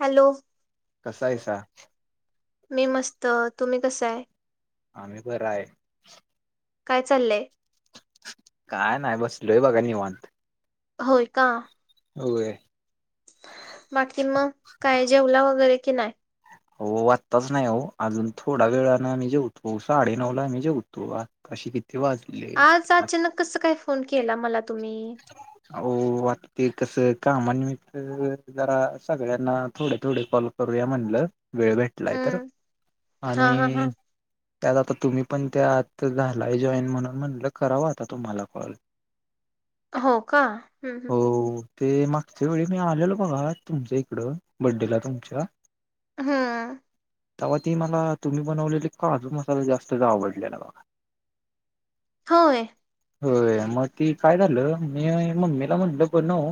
Hello कसा आहेसा? मी मस्त तुम्ही कसय आम्ही बरं आहे काय चाललंय काय नाही बस लोह बघा नि वाांत होय का हो बाकी मग काय जेवला वगैरे की नाही हो वाचताच नाही हो अजून थोडा वेळाान मी जेवतो साडेनऊला मी जेवतो काशी किती आवाज मुली आज अचानक कस काय फोन केला मला तुम्ही हो वाटते कसं कामानमित्त जरा सगळ्यांना थोडे थोडे फल करूया म्हणलं वेळ भेटलाय तर हम्म हा हा हा आणि त्यात आता तुम्ही पण त्या आत झालाय जॉईन म्हणून म्हणटलं करावं आता तुम्हाला कॉल हो का ह ह हो ते मागच्या वेळी मी आलेलो बघा तुमच्या इकडं बर्थडेला तुमच्या हम् तव्हा ती मला तुम्ही बनवलेले काजू मसाला जास्तच आवडले बघा होय होय मग ती काय झालं मी मम्मीला म्हटलं बनव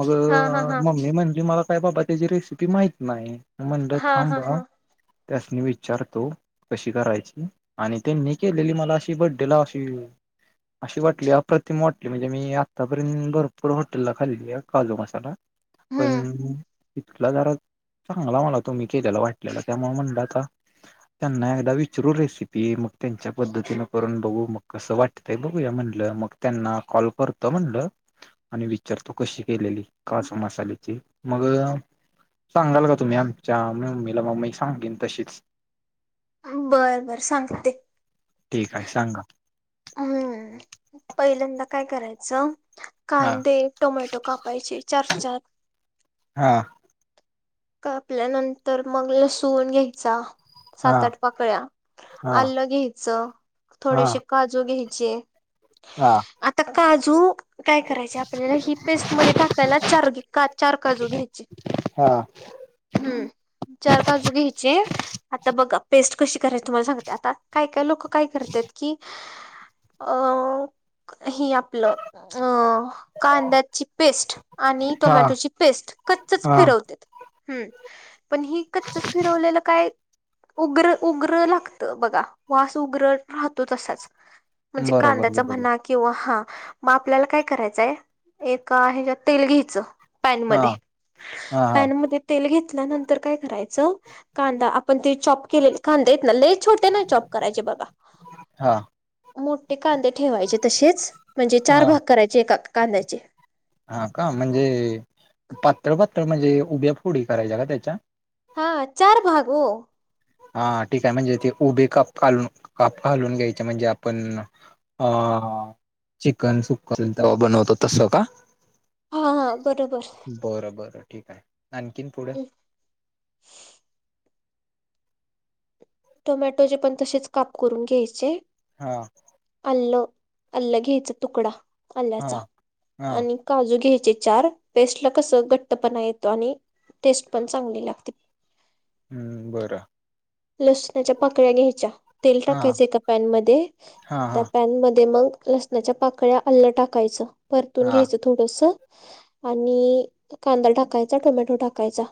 मग हा हा हा मममी म्हणजे मला काय बाबा त्याची रेसिपी माहत नाही म्हंड हा हा थांबा हा त्यासनी विचारतो कशी करायची आणि त्यांनी केलेली मला अशी बर््डेला अशी अशी वाटली अप्रतिमठ म्हणजे मी आतापर्यंत भरपूर हॉटेलला खाल्ली आहे काजू मसाला पण हम्म तिथला जरा चांगला मला तुम्ही केलेलं वाटलेला त्यामुळे म्हणला का त्यांना एकदा विचरू रेसिपी मग त्यांच्या पद्धतीन करून बघू मग कसं वाट बघूया म्हणलं मग त्यांना कॉल करतो म्हणलं आणि विचारतो कशी केलेली कासा मसाल्याची मग सांगाल का तुम्ही आमच्या मम्मीला मम्मी सांगेन तशीच बरं बर सांगते ठीक आहे सांगा हम्म पहिल्यांदा काय करायचं हा कांदे टोमॅटो कापायचे चार चार हा कापल्यानंतर मग लसूण घ्यायचा हा सात आठ पाकळ्या हा आलं घ्यायचं हा थोडेसे काजू घ्यायचे हा आता काजू काय करायचे आपल्याला ही पेस्टमध्ये टाकायला चार चार काजू घ्यायची हा हम्म चार काजू घ्यायचे आता बघा पेस्ट कशी करायची तुम्हाला सांगते आता काय काय लोक काय करत की अ हे आपलं अ कांद्याची पेस्ट आणि हा टोमॅटोची पेस्ट कच्चच हा फिरवत्यात हम्म पण हि कच्चच फिरवलेलं काय उग्र उग्र लागत बघा वास उग्र राहतो तसाच म्हणजे बरोबर कांद्याचा बरोबर म्हना किंवा हा मग आपल्याला काय करायचंय एक ह तेल घ्यायचं पॅन हा मध्ये हा हा पॅन मध्ये तेल घेतल्यानंतर काय करायचं कांदा पण ते चॉब केलेले कांदे आहेत ना ते ले छोटे नाय चॉब करायचे बघा हा मोठे कांदे ठेवायचे तसेच म्हणजे चार हा भाग करायचे एका कांद्याचे हा का म्हणजे पातळ पातळ म्हणजे उभ्या फोडी करायच्या का त्याच्या हा चार भाग हो हा ठीक आहे म्हणजे ते उभे कापलून काप घालून घ्यायचे म्हणजे आपण ह चिकन सुका तेव्हा बनवत तस का हा हा बरोबर बरं बरं ठीक आहे आणखीन पुढे ह टोमॅटोचे पण तसेच काप करून घ्यायचे हा अल्लं अल्लं घ्यायच तुकडा हा आल्ल्याचा हा आणि काजू घ्यायचे चार पेस्ट ला कसं घट्टपणा येतो आणि टेस्ट पण चांगली लागते हम्म बरं लसुणाच्या पाकळ्या घ्यायच्या तेल हा टाकायच एका पॅन मध्ये हा त्या हा पॅन मध्ये मग ल च्या पाकळ्या अल्लं टाकायचं परतून हा घ्यायचं थोडस आणि कांदा टाकायचा टोमॅटो टाकायचा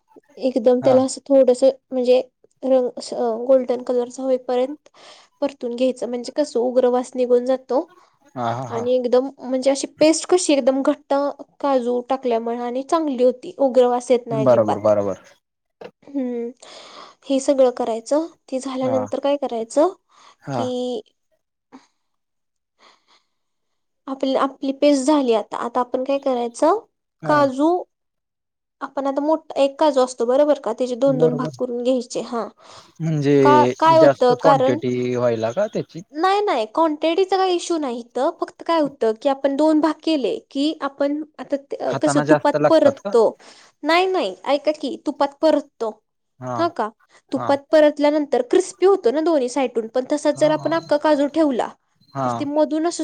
एकदम हा त्याला अस थोडस म्हणजे रंग गोल्डन कलर होईपर्यंत परतून घ्यायच म्हणजे कसं उग्रवास निघून जातो हा हा हा आणि एकदम म्हणजे अशी पेस्ट कशी एकदम घट्ट काजू टाकल्यामुळे आणि चांगली होती उग्रवास येत नाय बरोबर अजिबात बरोबर हम् हे सगळं करायचं ते हा झाल्यानंतर काय करायचं हा कि आपली आपली पेस्ट झाली आता आता आपण काय करायचं हा काजू आपण आता मोठा एककाजू असतो बरोबर का त्याचे दोन दोन भाग बरोबर करून घ्यायचे हा म्हणजे का काय होत जास्त कारण क्वांटिटी व्हायला का त्याची नाही नाही क्ांटिटीचा काही इशू नाहीत फक्त काय होतं की आपण दोन भाग केले की आपण आता कसं खाताना तुपात जास्त लागतात का परततो नाही नाही ऐका की तुपात परततो हा ह का हा तुपात परतल्यानंतर क्रिस्पी होत दोन्ही साड प र हा आपण काजू ठेवला हा तर ती मधूनच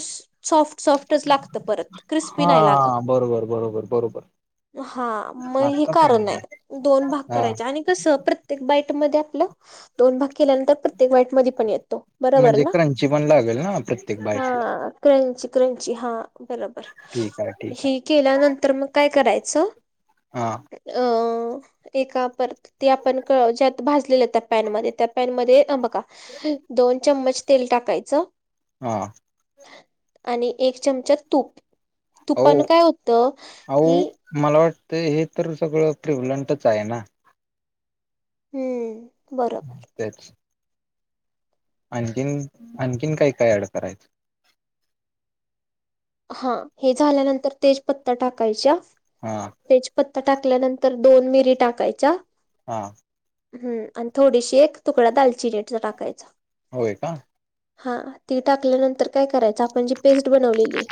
सॉफ्ट सॉफ्टच लागत परत क्रिस्पी नाही हा लागत बरोबर बरोबर बरोबर हा मग हे आत्ता कारण समजलं आहे दोन भाग हा करायचे आणि कस प्रत्येक बाईट मध्ये आपला दोन भाग केल्यानंतर प्रत्येक बाईट म पण येतो बरोबर म्हणजे ना क्रंची पण लागेल ना प्रत्येक हा बाईकला क्रंची क्रंची हा बरोबर ठीक आहे ठीक आहे हे केल्यानंतर मग काय करायचं हा अ एका परत ते आपण ज्यात भाजलेलं त्या पॅनमध्ये त्या पॅनमध्येध्ये बघ चम्मच तेल टाकायचं हा आणि एक चमचा तूप हो तुपानं काय होतं अ की मला वाटतं हे तर सगळं प्रिव्लंंटच आहे ना हम्म बरं तेच आणखीन आणखीन काही काय अड करायचं हा हे झाल्यानंतर तेज पत्ता टाकायच्या हा तेजपत्ता टाकल्यानंतर दोन मिरी टाकायचा हा हम् आणि थोडीशी एक तुकडा दालचिनीचा टाकायचा होय का हा ती टाकल्यानंतर काय करायचं आपण जी पेस्ट बनवलेली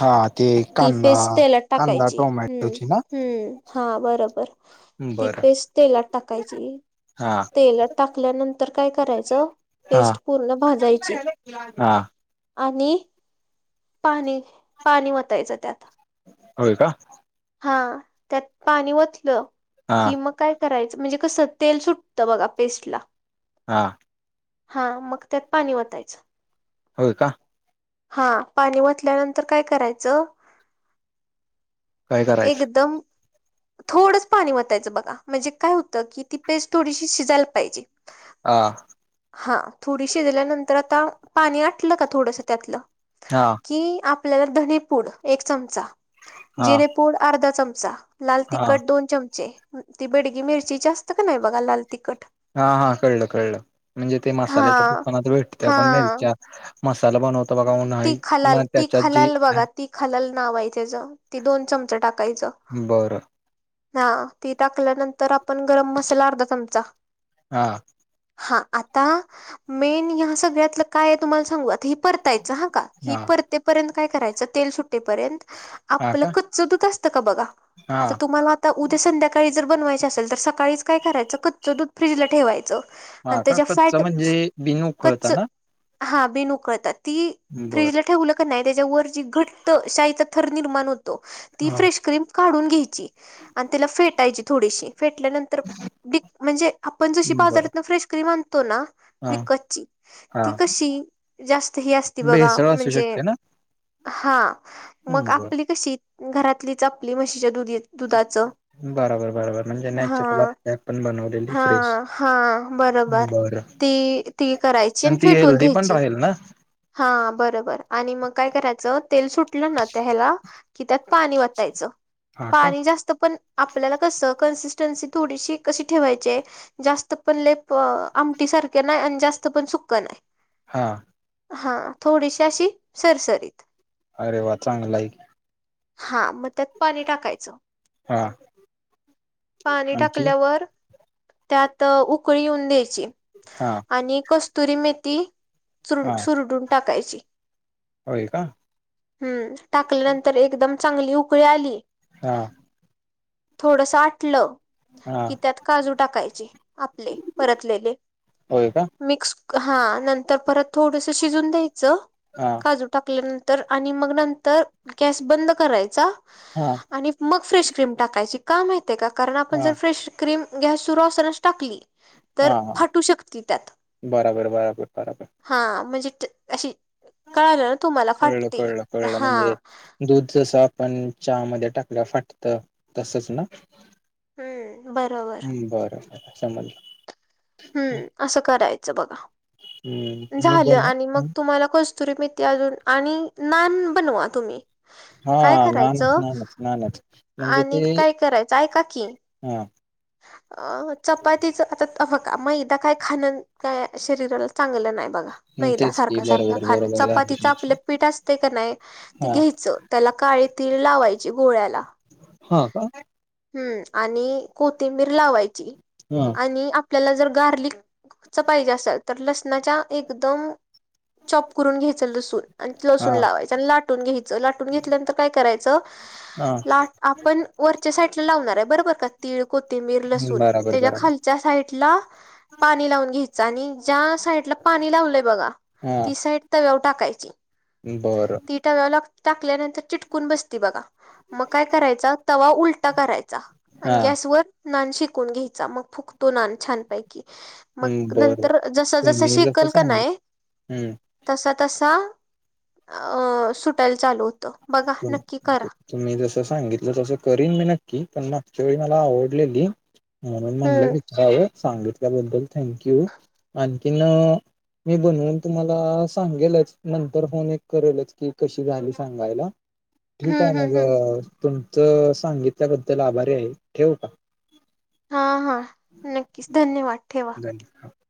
हा ते ती कांदा पेस् त्याला कांदा टाकायची हम्म टोमॅटोची ना हम्म हा बरोबर ती बरं पेस्ट तेलात टाकायची हा तेलात टाकल्यानंतर काय करायचं हा पेस्ट पूर्ण भाजायची हा आणि पाणी पाणी वतायचं त्यात हो का हा त्यात पाणी वतलं हा की मग काय? करायचं म्हणजे कसं तेल सुटतं बघा पेस्ट ला हां. हा मग त्यात पाणी वतायचं. हो का? हा पाणी वतल्यानंतर काय करायचं? काय करायचं एकदम थोडंच पाणी वतायचं बघा म्हणजे काय होतं की ती पेस्ट थोडीशी शिजायला पाहिजे. हा. हा थोडी शिजल्यानंतर आता पाणी आटलं का थोडसं त्यातलं. हा. कि आपल्याला धनी पूड एक चमचा हा जिरेपूड अर्धा चमचा लाल हा तिखट दोन चमचे ती बिडगी मिरची जास्त का नाही बघा लाल तिखट. हा हा कळलं कळलं म्हणजे ते हा मसाल्याच्या दुकानात भेटते हा आपण मिेरच्या मसाला बनवत बघा म्ह ती खालाल म ती त्याच्यात जी खालाल बघा ती खालल नावायचेच ती दोन चमच टाकायचं. बरं ह ती टाकल्यानंतर आपण गरम मसाला अर्धा चमचा हा हा आता मेन ह सगळ्यातलं काय आहे तुम्हाला सांगू आता हे परतायचं हा. ही हा परतेपर्यंत काय करायच तेल सुट्टेपर्यंत हा आपलं का कच्च दूध असत का बघा हा आता तुम्हाला? उद्या संध्याकाळी जर बनवायचे असेल तर सकाळीच काय करायचं कच्च दूध फ्रीजला ठेवायचं आणि हा का त्याच्या कच्च फॅट म्हणजे बिन उकळता कच्च ना हा बीन उकळतात ती बर फ्रीजला ठेवू. त्याच्या व घ शा थर निर्माण होतो ती हा फ्रेशम काढून घ्यायची आणि त्याला फेटायची थोडीशी फेटल्यानंतर तर ब म्हणजे आपण जशी बर बाजारात फ्रेश क्रीम आणतो ना. हा विकतची हा ती कशी जास्त ही असती बघा भेसळ असू म्हणजे शकते ना हा मग हम्म, बर आपली कशी घरातलीच आपली म्हशीच्या दुधी दुधाचं. बरोबर बरोबर म्हणजे हा नॅचरल असते आपण बनवलेली हा फ्रेश हा बरोबर. बरं ती ती करायची आणि ती फेटून हेल्दी पण घ्यायची. राहील ना हा बरोबर आणि मग काय करायचं तेल सुटलं ना त्या ह्याला कि त्यात पाणी वाटयचं हा का पाणी जास्त पण आपल्याला कसं कन्सिस्टन्सी थोडीशी कशी ठेवायची. जास्त पण लेप आमटी सारखे नाही आणि जास्त पण सुकं नाही. हा. हा थोडीशी अशी सरसरीत अरे वा चांगला आहे. हा मग त्यात पाणी टाकायचं. हा पाणी आणखी टाकल्यावर त्यात उकळीऊन द्यायची. हा. आणि कस्तुरी मेथी चर हा सुरडून टाकायची. होय का? हम्म टाकल्यानंतर एकदम चांगली उकळी आली. हा. थोडसं आटलं. हा कि त्यात काजू टाकायचे आपले परतलेले होय का मिक्स हा नंतर परत थोडस शिजून द्यायचं हा. ज टाकल्यानंतर आणि मग नंतर गॅस बंद करायचा हा. आणि मग फ्रेश क्रीम टाकायची काम येते का कारण आपण हा जर फ्रेश क्रीम गॅस सुरू असतानाच टाकली तर हा हा फाटू शकती त्यात बराबर बराबर बराबर हा म्हणजे ज अशी कळालं ना तुम्हाला कळलं फाटती कळलं कळलं हा. म्हणजे दूध जसं आपण चहामध्ये टाकलं फाटत तसच ना. हम्म. बरोबर हम्म बरं समजल. हम्म असं करायचं बघा. हम्म, मी झालं बोल आणि मग तुम्हाला कस्तुरी मेथी अजून आणि नान बनवा तुम्ही काय हा नानच करायचं नानच नानच म्हणजे आणि ते काय करायचं ऐका कि. [unintelligible] अ चपातीच आता फका मैदा काय खाण काय शरीराला चांगलं नाही. बघा हम्म, मैदा तेच की सारख सारखं बरोबर खाण बरोबर झालं चपातीचं तुमचं. आपलं पीठ असत का नाही ते हा घ्यायचं त्याला काळी तीळ लावायची गोळ्याला हा का. हम्म आणि कोथिंबीर लावायची ह आणि आप आपल्याला जर गार्लिक च पाहिजे असेल तर लसणाच्या एकदम चॉप करून घ्यायचं लसूून आणि हा लसून लावायच आणि लाटून घ्यायचं लाटून घेतल्यानंतर काय करायचं हा. लाट आपण वरच्या साईडला लावणार आहे बरोबर का तीळ कोथिंबीर हम्म, लसूण बराबर त्याच्या बराबर खाल ज्या साईडला पाणी लावून घ्यायचं आणि ज्या साईडला पाणी लावलंय बघा हा ती साईड तव्यावर टाकायची. बरं. ती तव्याला टाकल्यानंतर चिटकून बसती बघा. मग काय करायचा तवा उलटा करायचा हा आणि गॅसवर नान शिकून घ्यायचा मग फुकतो नान छानपैकी मग बर नंतर जस तुम्ही जसं शीकल्क नाय. सांगल तसा तसा अ सुटायला चालू होतं. बघा नक्की करा तुम्ही जसं सांगितलं तसं करीन मी नक्की पण मागच्या वेळी मला आवडलेली म्हणून म्हणलं हम्म विचारावं सांगितल्याबद्दल थँंक्यू आणखीन मी बनवून तुम्हाला सांगेलच नंतर फोन एक करेलच की कशी झाली सांगायला. ठीक आहे हम्म हम्म हम्म मग तुमचं सांगितल्याबद्दल आभारी आहे ठेवू का. हा हा नक्कीच धन्यवाद ठेवा. [unintelligible]